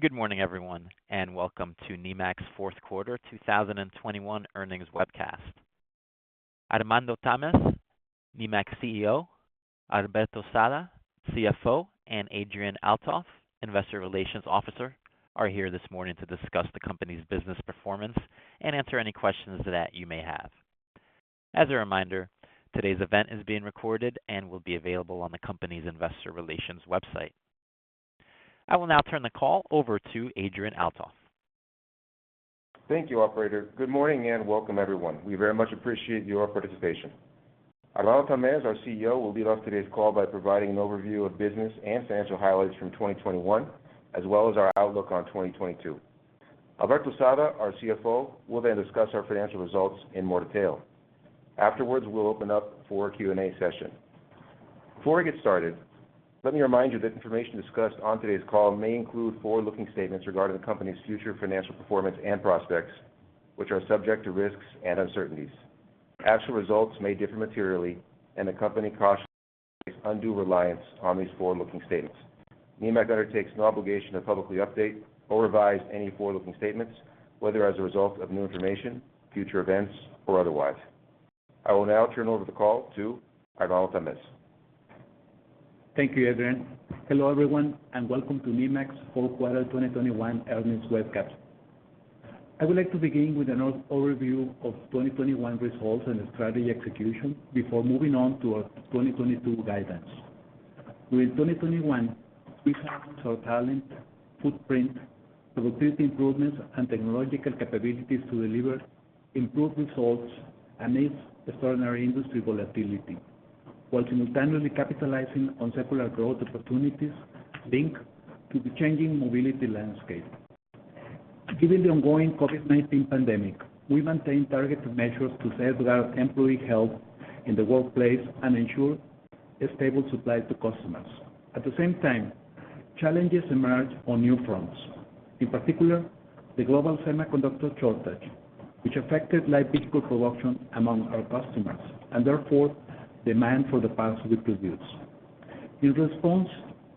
Good morning, everyone, and welcome to Nemak's Fourth Quarter 2021 Earnings Webcast. Armando Tamez, Nemak's CEO, Alberto Sada, CFO, and Adrian Althoff, Investor Relations Officer, are here this morning to discuss the company's business performance and answer any questions that you may have. As a reminder, today's event is being recorded and will be available on the company's investor relations website. I will now turn the call over to Adrian Althoff. Thank you, operator. Good morning and welcome, everyone. We very much appreciate your participation. Armando Tamez, our CEO, will lead off today's call by providing an overview of business and financial highlights from 2021, as well as our outlook on 2022. Alberto Sada, our CFO, will then discuss our financial results in more detail. Afterwards, we'll open up for Q&A session. Before we get started, let me remind you that information discussed on today's call may include forward-looking statements regarding the company's future financial performance and prospects, which are subject to risks and uncertainties. Actual results may differ materially, and the company cautions against undue reliance on these forward-looking statements. Nemak undertakes no obligation to publicly update or revise any forward-looking statements, whether as a result of new information, future events, or otherwise. I will now turn over the call to Armando Tamez. Thank you, Adrian. Hello, everyone, and welcome to Nemak's fourth quarter 2021 earnings webcast. I would like to begin with an overview of 2021 results and strategy execution before moving on to our 2022 guidance. During 2021, we harnessed our talent, footprint, productivity improvements, and technological capabilities to deliver improved results amidst extraordinary industry volatility while simultaneously capitalizing on secular growth opportunities linked to the changing mobility landscape. Given the ongoing COVID-19 pandemic, we maintained targeted measures to safeguard employee health in the workplace and ensure a stable supply to customers. At the same time, challenges emerged on new fronts, in particular, the global semiconductor shortage, which affected light vehicle production among our customers, and therefore, demand for the parts we produce. In response,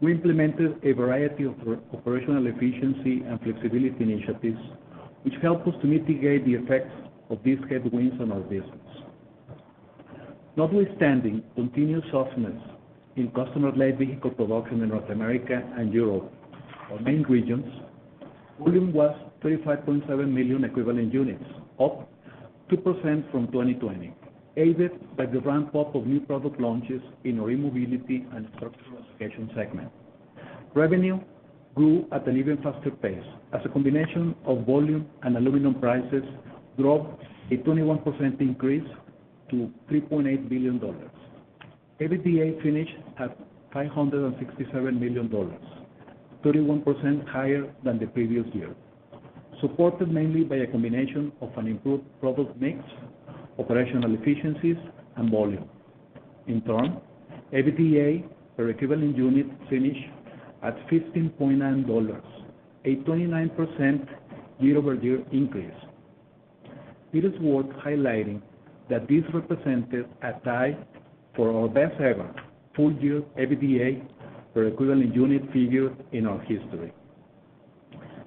we implemented a variety of operational efficiency and flexibility initiatives, which helped us to mitigate the effects of these headwinds on our business. Notwithstanding continued softness in customer light vehicle production in North America and Europe, our main regions, volume was 35.7 million equivalent units, up 2% from 2020, aided by the ramp-up of new product launches in our E-mobility and Structural Application Segment. Revenue grew at an even faster pace as a combination of volume and aluminum prices drove a 21% increase to $3.8 billion. EBITDA finished at $567 million, 31% higher than the previous year, supported mainly by a combination of an improved product mix, operational efficiencies, and volume. In turn, EBITDA per equivalent unit finished at $15.9, a 29% year-over-year increase. It is worth highlighting that this represented a tie for our best ever full-year EBITDA per equivalent unit figure in our history.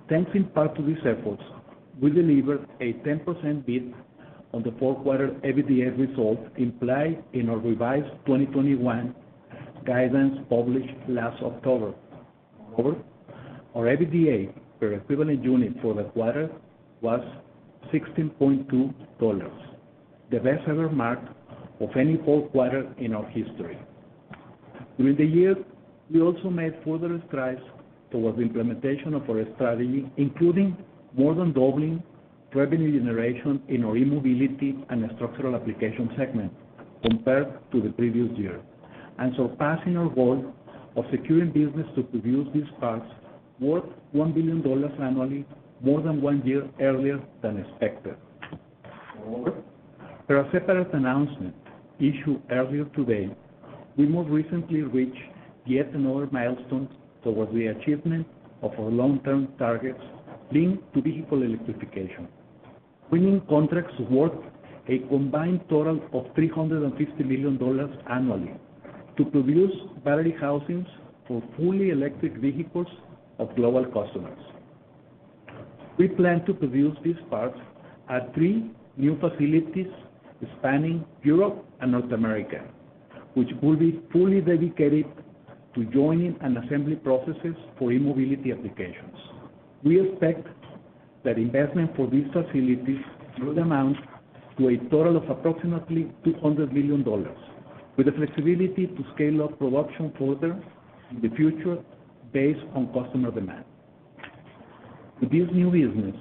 Thanks in part to these efforts, we delivered a 10% beat on the fourth quarter EBITDA results implied in our revised 2021 guidance published last October. Moreover, our EBITDA per equivalent unit for the quarter was $16.2, the best ever mark of any fourth quarter in our history. During the year, we also made further strides towards the implementation of our strategy, including more than doubling revenue generation in our E-mobility and Structural Application Segment compared to the previous year, and surpassing our goal of securing business to produce these parts worth $1 billion annually more than one year earlier than expected. Moreover, per a separate announcement issued earlier today, we most recently reached yet another milestone towards the achievement of our long-term targets linked to vehicle electrification, winning contracts worth a combined total of $350 million annually to produce battery housings for fully electric vehicles of global customers. We plan to produce these parts at three new facilities spanning Europe and North America, which will be fully dedicated to joining and assembly processes for E-mobility Applications. We expect that investment for these facilities will amount to a total of approximately $200 million, with the flexibility to scale up production further in the future based on customer demand. With this new business,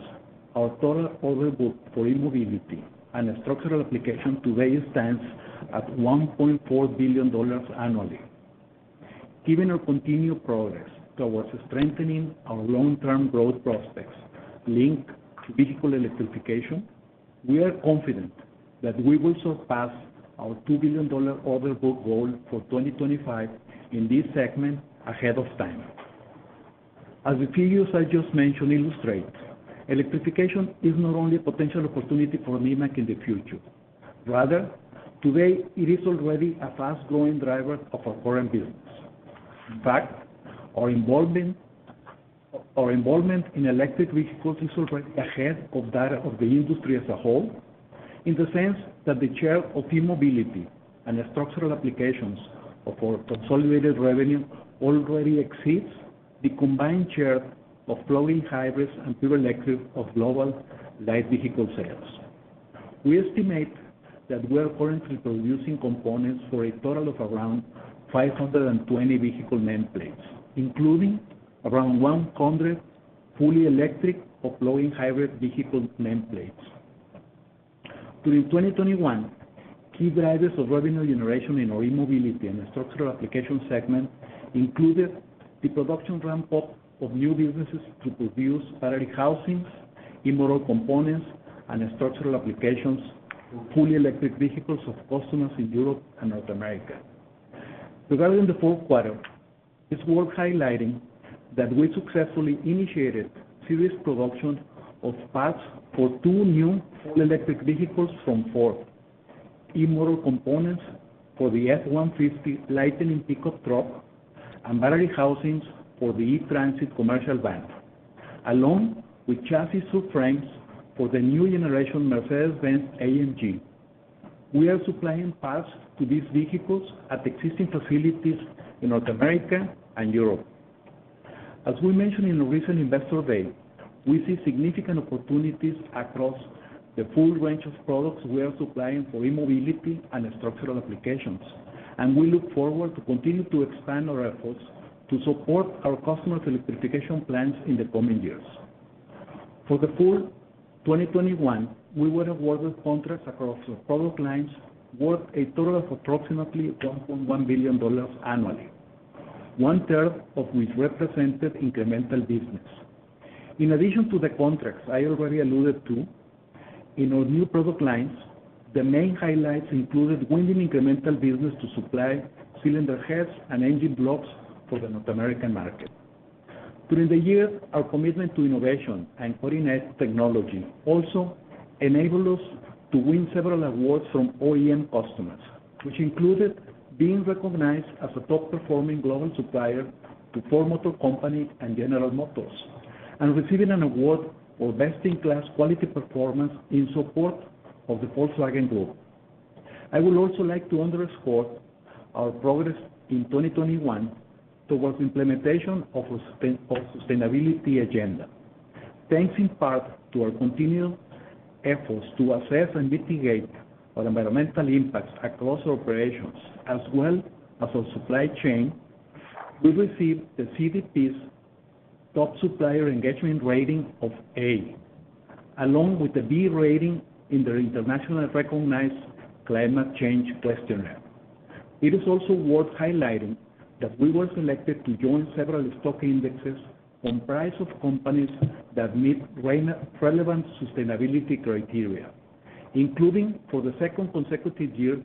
our total order book for e-mobility and structural application today stands at $1.4 billion annually. Given our continued progress towards strengthening our long-term growth prospects linked to vehicle electrification, we are confident that we will surpass our $2 billion order book goal for 2025 in this segment ahead of time. As the few years I just mentioned illustrate, electrification is not only a potential opportunity for Nemak in the future. Rather, today, it is already a fast-growing driver of our current business. In fact, our involvement in electric vehicles is super ahead of that of the industry as a whole in the sense that the share of E-mobility and the Structural Applications of our consolidated revenue already exceeds the combined share of plug-in hybrids and pure electric of global light vehicle sales. We estimate that we are currently producing components for a total of around 520 vehicle nameplates, including around 100 fully electric or plug-in hybrid vehicle nameplates. During 2021, key drivers of revenue generation in our E-mobility and Structural Application Segment included the production ramp-up of new businesses to produce battery housings, e-motor components, and structural applications for fully electric vehicles of customers in Europe and North America. Regarding the fourth quarter, it's worth highlighting that we successfully initiated serial production of parts for two new full electric vehicles from Ford, e-motor components for the F-150 Lightning pickup truck, and battery housings for the E-Transit commercial van, along with chassis subframes for the new generation Mercedes-Benz AMG. We are supplying parts to these vehicles at existing facilities in North America and Europe. As we mentioned in the recent Investor Day, we see significant opportunities across the full range of products we are supplying for E-mobility and Structural Applications, and we look forward to continue to expand our efforts to support our customers' electrification plans in the coming years. For the full 2021, we were awarded contracts across our product lines worth a total of approximately $1.1 billion annually, one-third of which represented incremental business. In addition to the contracts I already alluded to, in our new product lines, the main highlights included winning incremental business to supply cylinder heads and engine blocks for the North American market. During the year, our commitment to innovation and putting edge technology also enabled us to win several awards from OEM customers, which included being recognized as a top-performing global supplier to Ford Motor Company and General Motors, and receiving an award for best-in-class quality performance in support of the Volkswagen Group. I would also like to underscore our progress in 2021 towards implementation of a sustainability agenda. Thanks in part to our continued efforts to assess and mitigate our environmental impacts across operations as well as our supply chain, we received the CDP's top supplier engagement rating of A, along with a B rating in their internationally recognized climate change questionnaire. It is also worth highlighting that we were selected to join several stock indexes comprised of companies that meet relevant sustainability criteria, including, for the second consecutive year,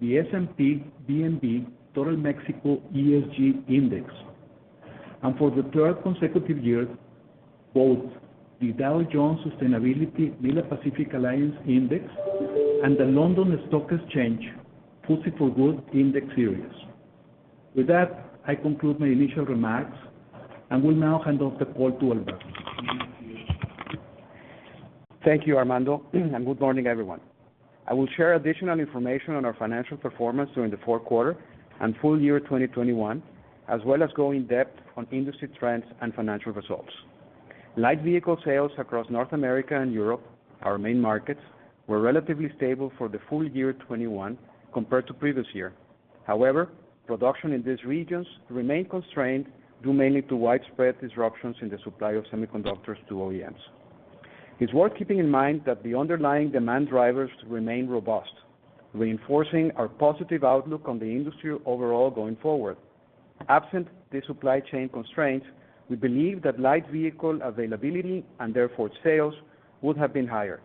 the S&P/BMV Total Mexico ESG Index, and for the third consecutive year, both the Dow Jones Sustainability MILA Pacific Alliance Index and the London Stock Exchange FTSE4Good Index Series. With that, I conclude my initial remarks and will now hand off the call to Alberto. Thank you, Armando, and good morning, everyone. I will share additional information on our financial performance during the fourth quarter and full year 2021, as well as go in depth on industry trends and financial results. Light vehicle sales across North America and Europe, our main markets, were relatively stable for the full year 2021 compared to previous year. However, production in these regions remain constrained due mainly to widespread disruptions in the supply of semiconductors to OEMs. It's worth keeping in mind that the underlying demand drivers remain robust, reinforcing our positive outlook on the industry overall going forward. Absent the supply chain constraints, we believe that light vehicle availability, and therefore sales, would have been higher.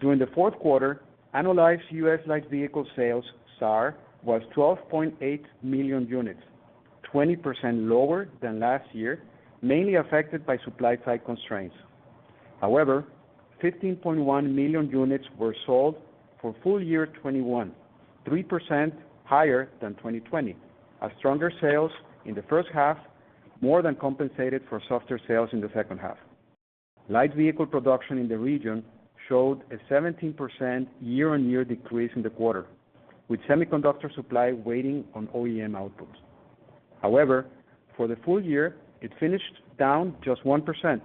During the fourth quarter, annualized U.S. light vehicle sales SAAR was 12.8 million units, 20% lower than last year, mainly affected by supply-side constraints. However, 15.1 million units were sold for full year 2021, 3% higher than 2020, as stronger sales in the first half more than compensated for softer sales in the second half. Light vehicle production in the region showed a 17% year-on-year decrease in the quarter, with semiconductor supply weighing on OEM outputs. However, for the full year, it finished down just 1%,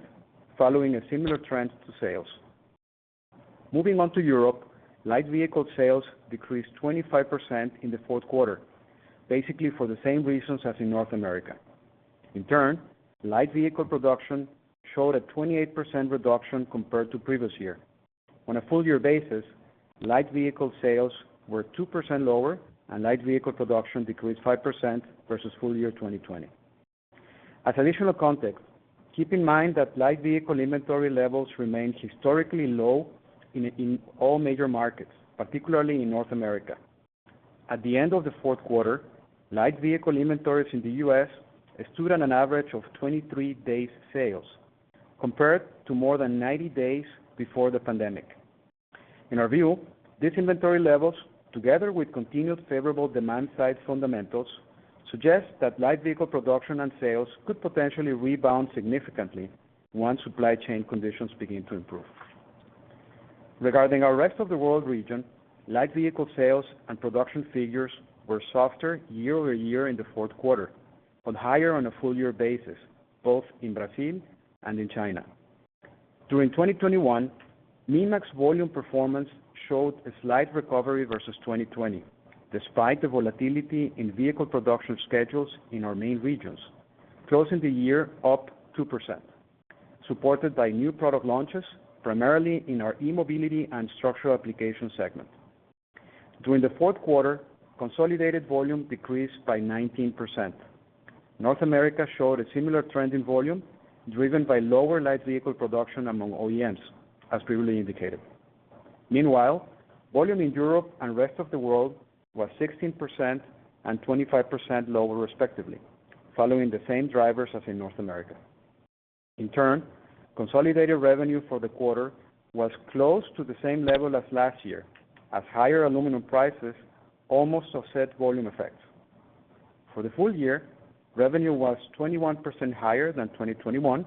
following a similar trend to sales. Moving on to Europe, light vehicle sales decreased 25% in the fourth quarter, basically for the same reasons as in North America. In turn, light vehicle production showed a 28% reduction compared to previous year. On a full year basis, light vehicle sales were 2% lower, and light vehicle production decreased 5% versus full year 2020. As additional context, keep in mind that light vehicle inventory levels remain historically low in all major markets, particularly in North America. At the end of the fourth quarter, light vehicle inventories in the U.S. stood at an average of 23 days sales, compared to more than 90 days before the pandemic. In our view, these inventory levels, together with continued favorable demand side fundamentals, suggest that light vehicle production and sales could potentially rebound significantly once supply chain conditions begin to improve. Regarding our rest of the world region, light vehicle sales and production figures were softer year-over-year in the fourth quarter, but higher on a full year basis, both in Brazil and in China. During 2021, Nemak volume performance showed a slight recovery versus 2020, despite the volatility in vehicle production schedules in our main regions, closing the year up 2%, supported by new product launches, primarily in our e-mobility and structural application segment. During the fourth quarter, consolidated volume decreased by 19%. North America showed a similar trend in volume, driven by lower light vehicle production among OEMs, as previously indicated. Meanwhile, volume in Europe and rest of the world was 16% and 25% lower, respectively, following the same drivers as in North America. In turn, consolidated revenue for the quarter was close to the same level as last year, as higher aluminum prices almost offset volume effects. For the full year, revenue was 21% higher than 2020,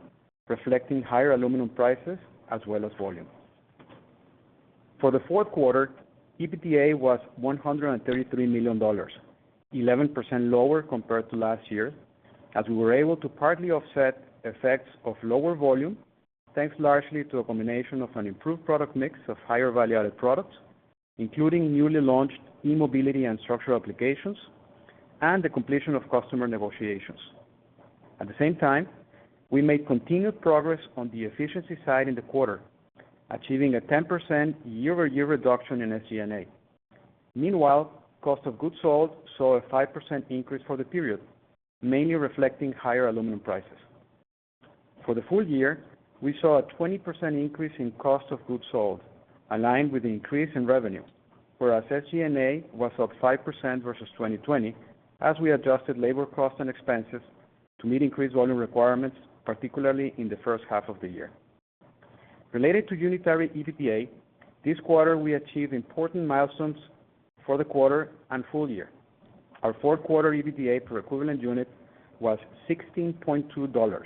reflecting higher aluminum prices as well as volume. For the fourth quarter, EBITDA was $133 million, 11% lower compared to last year, as we were able to partly offset effects of lower volume, thanks largely to a combination of an improved product mix of higher value-added products, including newly launched E-mobility and Structural Applications, and the completion of customer negotiations. At the same time, we made continued progress on the efficiency side in the quarter, achieving a 10% year-over-year reduction in SG&A. Meanwhile, cost of goods sold saw a 5% increase for the period, mainly reflecting higher aluminum prices. For the full year, we saw a 20% increase in cost of goods sold, aligned with the increase in revenue, whereas SG&A was up 5% versus 2020, as we adjusted labor costs and expenses to meet increased volume requirements, particularly in the first half of the year. Related to unitary EBITDA, this quarter, we achieved important milestones for the quarter and full year. Our fourth quarter EBITDA per equivalent unit was $16.2,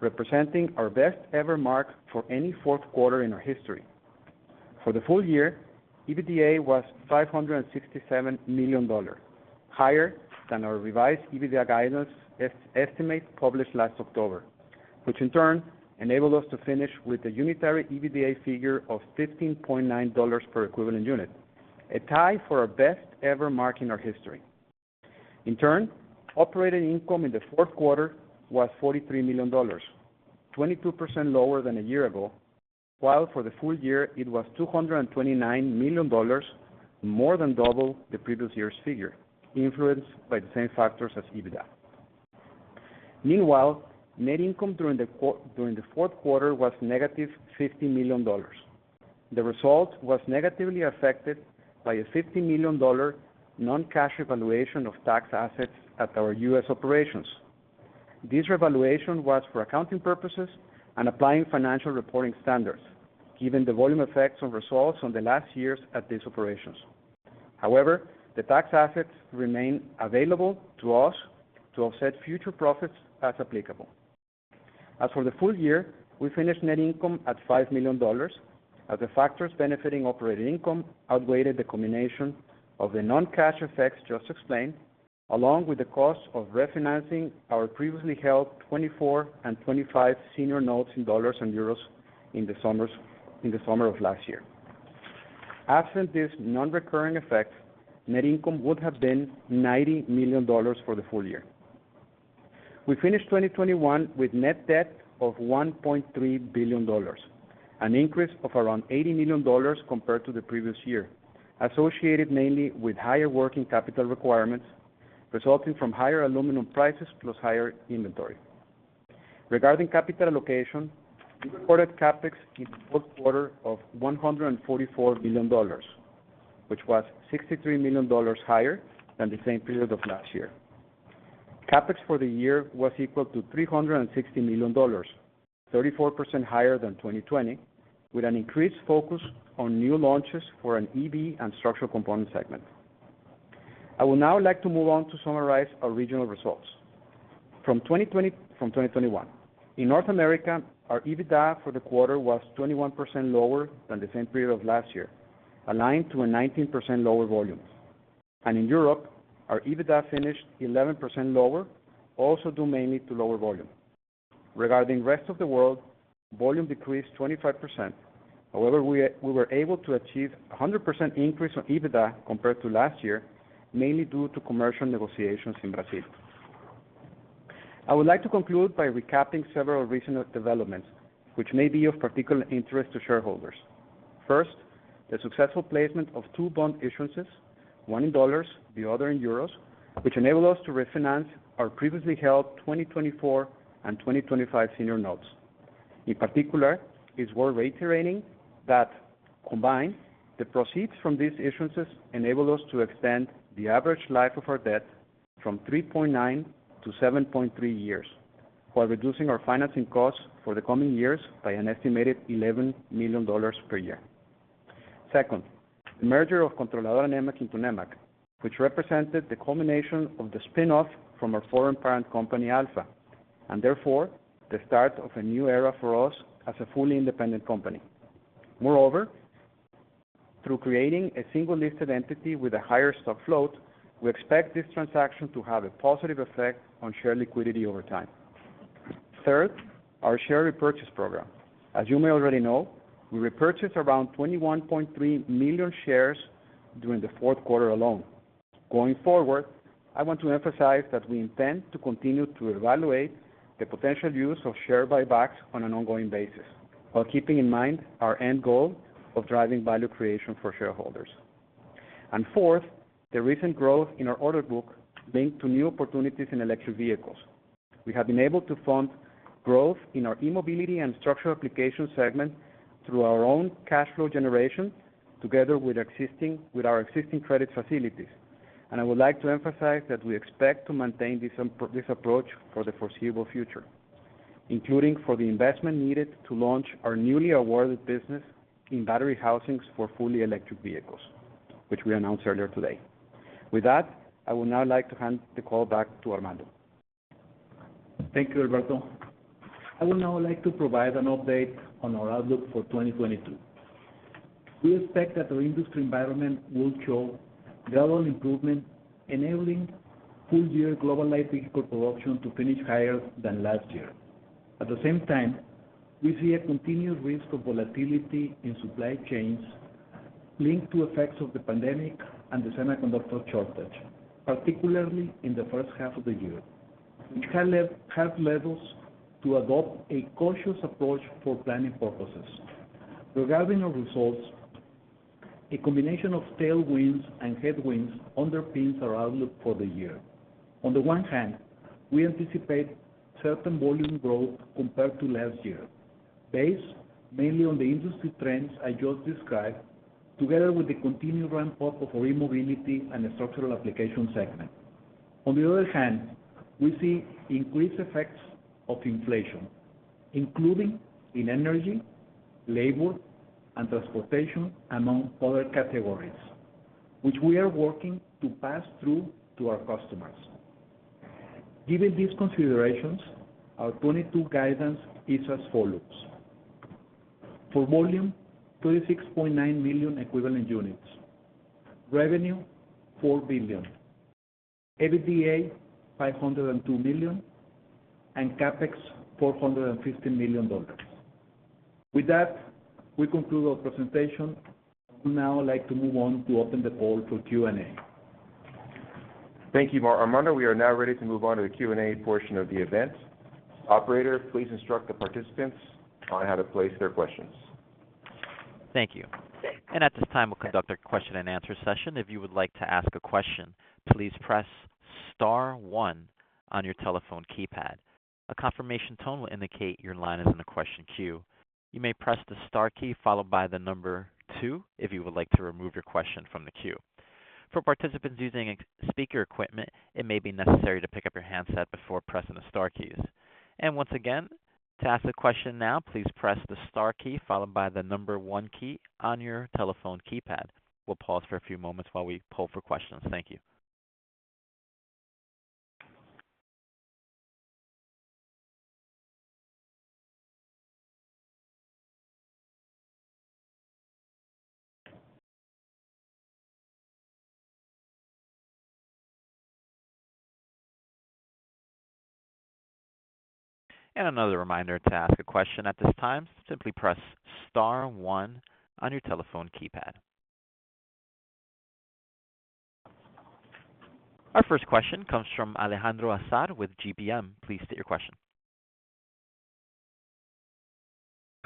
representing our best ever mark for any fourth quarter in our history. For the full year, EBITDA was $567 million, higher than our revised EBITDA guidance estimate published last October, which in turn enabled us to finish with a unitary EBITDA figure of $15.9 per equivalent unit, a tie for our best ever mark in our history. In turn, operating income in the fourth quarter was $43 million, 22% lower than a year ago. While for the full year it was $229 million, more than double the previous year's figure, influenced by the same factors as EBITDA. Meanwhile, net income during the fourth quarter was -$50 million. The result was negatively affected by a $50 million non-cash revaluation of tax assets at our U.S. operations. This revaluation was for accounting purposes and applying financial reporting standards, given the volume effects on results on the last years at these operations. However, the tax assets remain available to us to offset future profits as applicable. As for the full year, we finished net income at $5 million, as the factors benefiting operating income outweighed the combination of the non-cash effects just explained, along with the cost of refinancing our previously held 2024 and 2025 senior notes in dollars and euros in the summer of last year. Absent these non-recurring effects, net income would have been $90 million for the full year. We finished 2021 with net debt of $1.3 billion, an increase of around $80 million compared to the previous year, associated mainly with higher working capital requirements, resulting from higher aluminum prices plus higher inventory. Regarding capital allocation, we recorded CapEx in the fourth quarter of $144 million, which was $63 million higher than the same period of last year. CapEx for the year was equal to $360 million, 34% higher than 2020, with an increased focus on new launches for an EV and structural component segment. I would now like to move on to summarize our regional results from 2021. In North America, our EBITDA for the quarter was 21% lower than the same period of last year, aligned to a 19% lower volumes. In Europe, our EBITDA finished 11% lower, also due mainly to lower volume. Regarding rest of the world, volume decreased 25%. However, we were able to achieve a 100% increase on EBITDA compared to last year, mainly due to commercial negotiations in Brazil. I would like to conclude by recapping several recent developments which may be of particular interest to shareholders. First, the successful placement of two bond issuances, one in dollars, the other in euros, which enable us to refinance our previously held 2024 and 2025 senior notes. In particular, it's worth reiterating that combined, the proceeds from these issuances enable us to extend the average life of our debt from 3.9 to 7.3 years, while reducing our financing costs for the coming years by an estimated $11 million per year. Second, the merger of Controladora Nemak into Nemak, which represented the culmination of the spin-off from our foreign parent company, Alfa, and therefore the start of a new era for us as a fully independent company. Moreover, through creating a single listed entity with a higher stock float, we expect this transaction to have a positive effect on share liquidity over time. Third, our share repurchase program. As you may already know, we repurchased around 21.3 million shares during the fourth quarter alone. Going forward, I want to emphasize that we intend to continue to evaluate the potential use of share buybacks on an ongoing basis, while keeping in mind our end goal of driving value creation for shareholders. Fourth, the recent growth in our order book linked to new opportunities in electric vehicles. We have been able to fund growth in our e-mobility and structural applications segment through our own cash flow generation, together with our existing credit facilities. I would like to emphasize that we expect to maintain this approach for the foreseeable future, including for the investment needed to launch our newly awarded business in battery housings for fully electric vehicles, which we announced earlier today. With that, I would now like to hand the call back to Armando. Thank you, Alberto. I would now like to provide an update on our outlook for 2022. We expect that the industry environment will show gradual improvement, enabling full year global light vehicle production to finish higher than last year. At the same time, we see a continued risk of volatility in supply chains linked to effects of the pandemic and the semiconductor shortage, particularly in the first half of the year, which has led top levels to adopt a cautious approach for planning purposes. Regarding our results, a combination of tailwinds and headwinds underpins our outlook for the year. On the one hand, we anticipate certain volume growth compared to last year, based mainly on the industry trends I just described, together with the continued ramp-up of our E-mobility and Structural Applications Segment. On the other hand, we see increased effects of inflation, including in energy, labor, and transportation, among other categories, which we are working to pass through to our customers. Given these considerations, our 2022 guidance is as follows. For volume, 36.9 million equivalent units. Revenue, $4 billion. EBITDA, $502 million. And CapEx, $450 million. With that, we conclude our presentation. I would now like to move on to open the call for Q&A. Thank you, Armando. We are now ready to move on to the Q&A portion of the event. Operator, please instruct the participants on how to place their questions. Thank you. At this time, we'll conduct our question and answer session. If you would like to ask a question, please press star one on your telephone keypad. A confirmation tone will indicate your line is in the question queue. You may press the star key followed by the number two if you would like to remove your question from the queue. For participants using speaker equipment, it may be necessary to pick up your handset before pressing the star keys. Once again, to ask a question now, please press the star key followed by the number one key on your telephone keypad. We'll pause for a few moments while we poll for questions. Thank you. Another reminder, to ask a question at this time, simply press star one on your telephone keypad. Our first question comes from Alejandro Azar with GBM. Please state your question.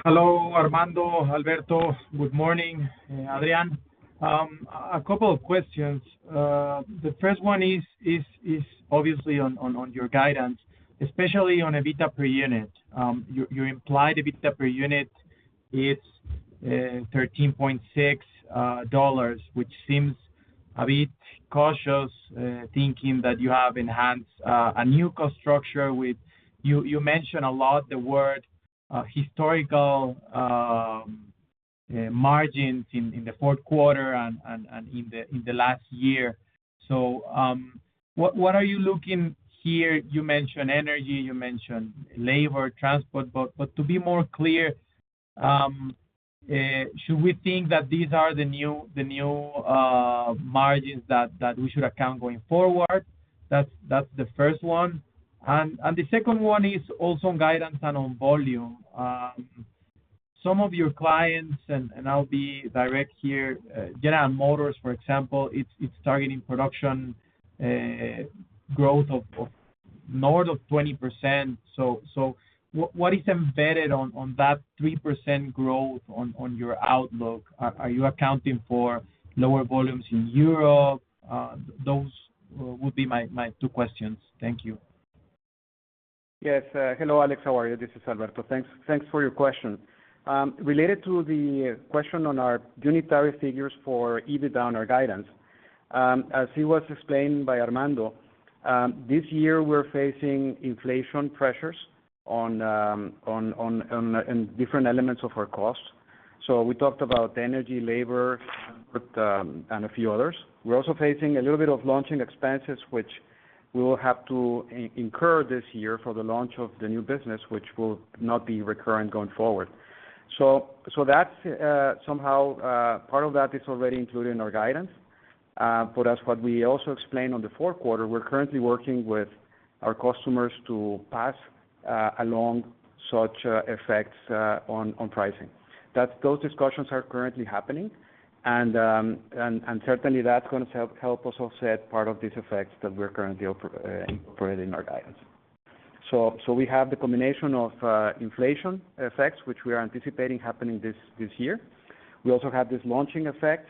Hello, Armando, Alberto. Good morning, Adrian. A couple of questions. The first one is obviously on your guidance, especially on EBITDA per unit. You implied EBITDA per unit is $13.6, which seems a bit cautious thinking that you have enhanced a new cost structure. You mentioned a lot the word historical margins in the fourth quarter and in the last year. What are you looking here? You mentioned energy, you mentioned labor, transport, but to be more clear, should we think that these are the new margins that we should account going forward? That's the first one. The second one is also on guidance and on volume. Some of your clients, and I'll be direct here, General Motors, for example, it's targeting production growth of north of 20%. What is embedded in that 3% growth in your outlook? Are you accounting for lower volumes in Europe? Those would be my two questions. Thank you. Yes. Hello Alejandro, how are you? This is Alberto. Thanks for your question. Related to the question on our unitary figures for EBITDA on our guidance, as it was explained by Armando, this year we're facing inflation pressures in different elements of our costs. We talked about energy, labor, and a few others. We're also facing a little bit of launching expenses, which we will have to incur this year for the launch of the new business, which will not be recurrent going forward. That's somehow part of that already included in our guidance. As we also explained in the fourth quarter, we're currently working with our customers to pass along such effects on pricing. Those discussions are currently happening, and certainly that's gonna help us offset part of these effects that we're currently incorporating in our guidance. We have the combination of inflation effects, which we are anticipating happening this year. We also have this launching effect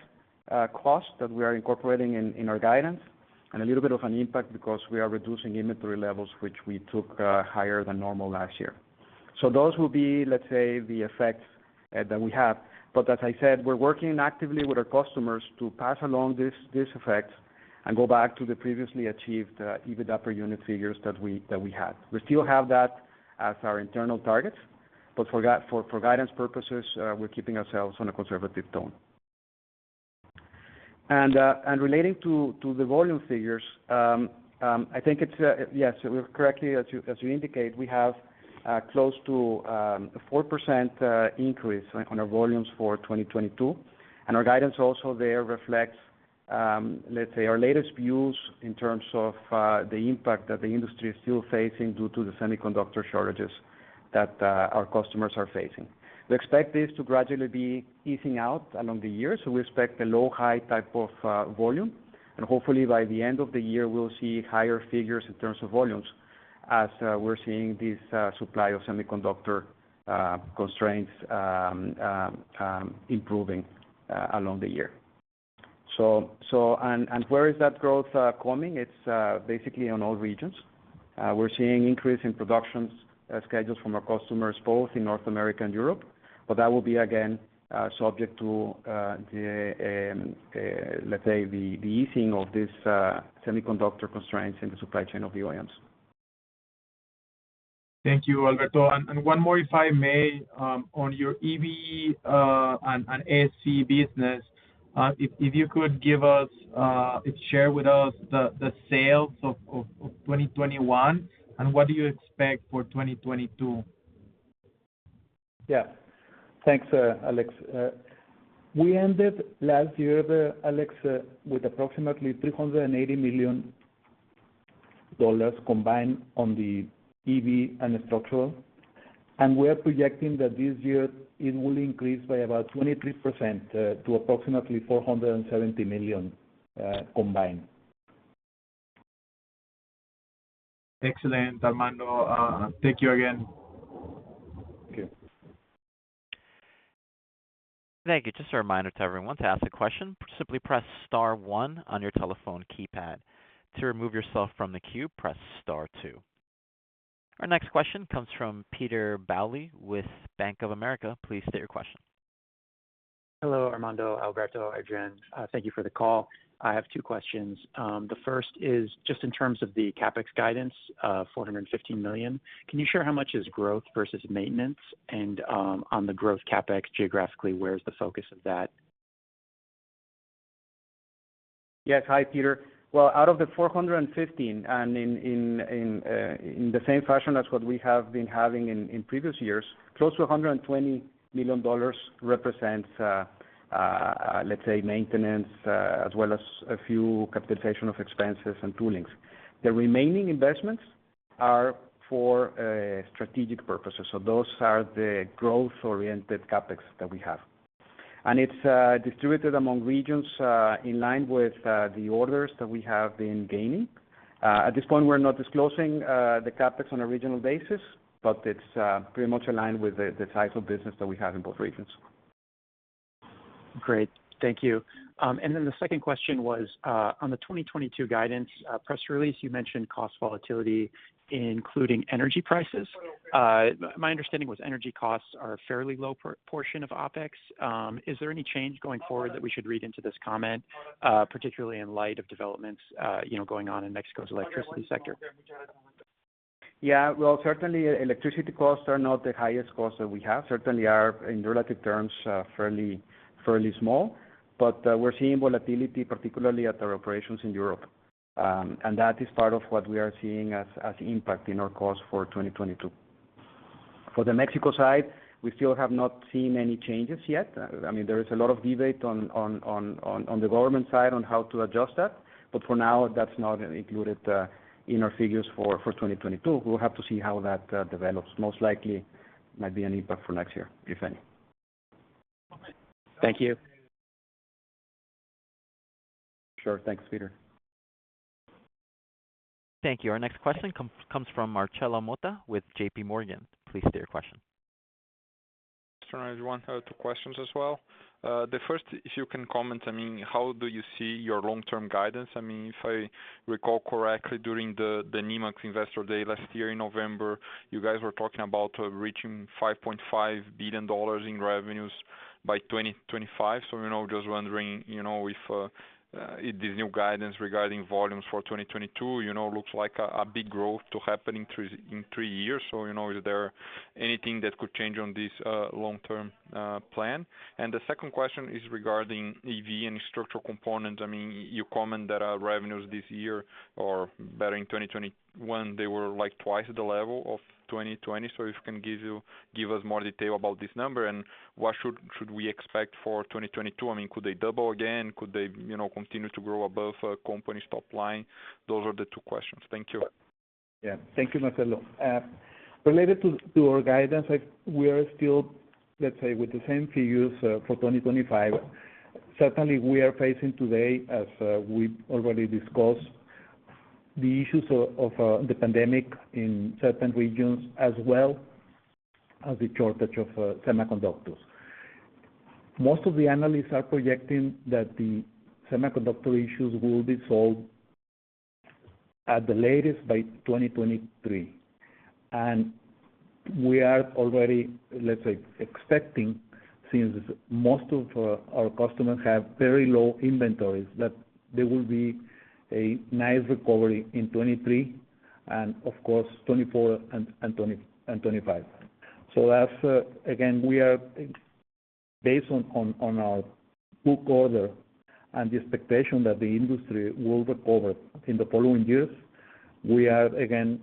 cost that we are incorporating in our guidance, and a little bit of an impact because we are reducing inventory levels, which we took higher than normal last year. Those will be, let's say, the effects that we have. As I said, we're working actively with our customers to pass along this effect and go back to the previously achieved EBITDA per unit figures that we had. We still have that as our internal targets, but for guidance purposes, we're keeping ourselves on a conservative tone. Relating to the volume figures, I think it's yes, correctly as you indicate, we have close to 4% increase on our volumes for 2022. Our guidance also there reflects let's say our latest views in terms of the impact that the industry is still facing due to the semiconductor shortages that our customers are facing. We expect this to gradually be easing out along the year, so we expect a low-high type of volume. Hopefully by the end of the year, we'll see higher figures in terms of volumes as we're seeing this semiconductor supply constraints improving along the year. Where is that growth coming? It's basically on all regions. We're seeing increase in production schedules from our customers, both in North America and Europe, but that will be again subject to the easing of this semiconductor constraints in the supply chain of the OEMs. Thank you, Alberto. One more if I may, on your EV and SC business. If you could give us share with us the sales of 2021, and what do you expect for 2022? Yeah. Thanks, Alex. We ended last year, Alex, with approximately $380 million combined on the EV and structural, and we are projecting that this year it will increase by about 23% to approximately $470 million combined. Excellent, Armando. Thank you again. Okay. Thank you. Just a reminder to everyone, to ask a question, simply press star one on your telephone keypad. To remove yourself from the queue, press star two. Our next question comes from Peter Bowley with Bank of America. Please state your question. Hello, Armando, Alberto, Adrian. Thank you for the call. I have two questions. The first is just in terms of the CapEx guidance, $415 million, can you share how much is growth versus maintenance? On the growth CapEx geographically, where is the focus of that? Yes. Hi, Peter. Well, out of the $415 million, in the same fashion as what we have been having in previous years, close to $120 million represents, let's say maintenance, as well as a few capitalization of expenses and toolings. The remaining investments are for strategic purposes. Those are the growth-oriented CapEx that we have. It's distributed among regions in line with the orders that we have been gaining. At this point, we're not disclosing the CapEx on a regional basis, but it's pretty much aligned with the types of business that we have in both regions. Great. Thank you. The second question was on the 2022 guidance press release. You mentioned cost volatility, including energy prices. My understanding was energy costs are a fairly low portion of OpEx. Is there any change going forward that we should read into this comment, particularly in light of developments going on in Mexico's electricity sector? Yeah. Well, certainly electricity costs are not the highest costs that we have. They certainly are, in relative terms, fairly small. We're seeing volatility, particularly at our operations in Europe. And that is part of what we are seeing as impact in our cost for 2022. For the Mexico side, we still have not seen any changes yet. I mean, there is a lot of debate on the government side on how to adjust that, but for now, that's not included in our figures for 2022. We'll have to see how that develops. Most likely might be an impact for next year, if any. Okay. Thank you. Sure. Thanks, Peter. Thank you. Our next question comes from Marcelo Motta with J.P. Morgan. Please state your question. Everyone, I have two questions as well. The first, if you can comment, I mean, how do you see your long-term guidance? I mean, if I recall correctly, during the Nemak Investor Day last year in November, you guys were talking about reaching $5.5 billion in revenues by 2025. You know, just wondering, you know, if this new guidance regarding volumes for 2022 looks like a big growth to happen in three years. You know, is there anything that could change on this long-term plan? The second question is regarding EV and structural components. I mean, you comment that revenues this year are better than in 2021, they were like twice the level of 2020. If you can give us more detail about this number and what should we expect for 2022? I mean, could they double again? Could they, you know, continue to grow above company's top line? Those are the two questions. Thank you. Yeah. Thank you, Marcelo. Related to our guidance, like we are still, let's say, with the same figures for 2025. Certainly, we are facing today, as we've already discussed, the issues of the pandemic in certain regions as well as the shortage of semiconductors. Most of the analysts are projecting that the semiconductor issues will be solved at the latest by 2023. We are already, let's say, expecting, since most of our customers have very low inventories, that there will be a nice recovery in 2023 and of course, 2024 and 2025. As again, we are based on our order book and the expectation that the industry will recover in the following years. We are, again,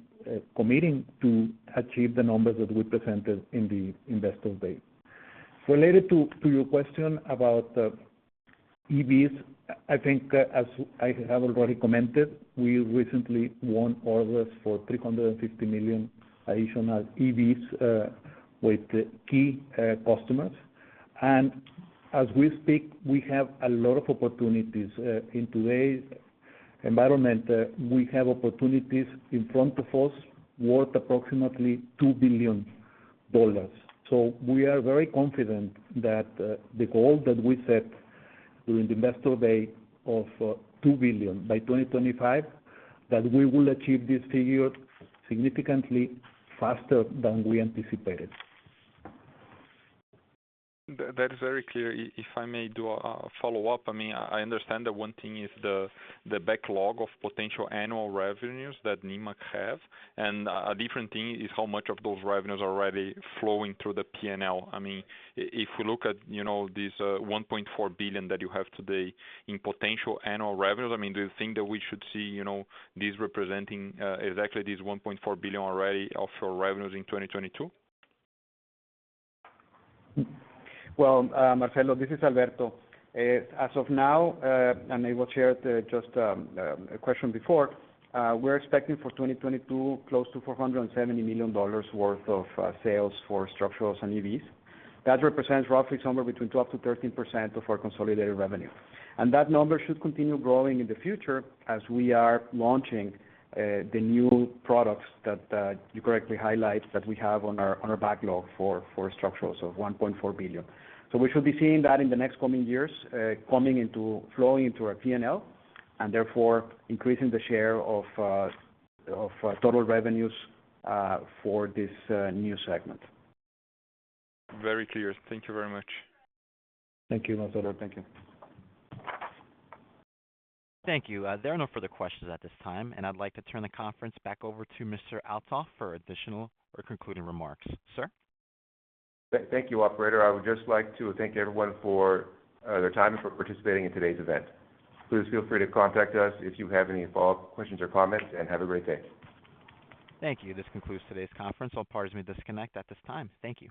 committing to achieve the numbers that we presented in the Investor Day. Related to your question about EVs, I think as I have already commented, we recently won orders for $350 million additional EVs with key customers. As we speak, we have a lot of opportunities. In today's environment, we have opportunities in front of us worth approximately $2 billion. We are very confident that the goal that we set during Investor Day of $2 billion by 2025, that we will achieve this figure significantly faster than we anticipated. That is very clear. If I may do a follow-up, I mean, I understand that one thing is the backlog of potential annual revenues that Nemak have, and a different thing is how much of those revenues are already flowing through the P&L. I mean, if you look at, you know, this, one point four billion that you have today in potential annual revenues, I mean, do you think that we should see, you know, this representing, exactly this $1.4 billion already of your revenues in 2022? Well, Marcelo, this is Alberto. As of now, and I will share the, just, question before, we're expecting for 2022, close to $470 million worth of sales for structurals and EVs. That represents roughly somewhere between 12%-13% of our consolidated revenue. That number should continue growing in the future as we are launching the new products that you correctly highlight that we have on our backlog for structurals of $1.4 billion. We should be seeing that in the next coming years, coming into, flowing into our P&L, and therefore increasing the share of total revenues for this new segment. Very clear. Thank you very much. Thank you, Marcelo. Thank you. Thank you. There are no further questions at this time, and I'd like to turn the conference back over to Mr. Althoff for additional or concluding remarks. Sir? Thank you, operator. I would just like to thank everyone for their time and for participating in today's event. Please feel free to contact us if you have any follow-up questions or comments, and have a great day. Thank you. This concludes today's conference. All parties may disconnect at this time. Thank you.